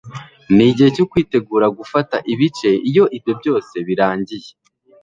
nigihe cyo kwitegura gufata ibice iyo byose birangiye